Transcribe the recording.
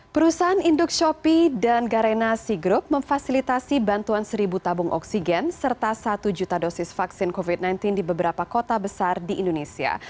perusahaan induk shopee dan garena sea group memfasilitasi bantuan seribu tabung oksigen serta satu juta dosis vaksin covid sembilan belas di beberapa kota besar di indonesia